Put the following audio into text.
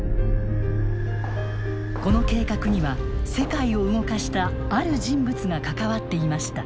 この計画には世界を動かしたある人物が関わっていました。